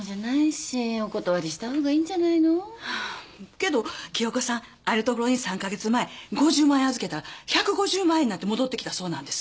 けど清子さんある所に３カ月前５０万円預けたら１５０万円になって戻ってきたそうなんです。